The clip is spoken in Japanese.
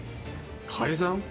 改ざん？